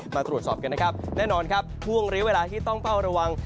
มาตรวจสอบกันนะครับแน่นอนครับห่วงเรียกเวลาที่ต้องเฝ้าระวัง